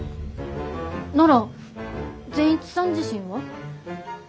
なら善一さん自身は。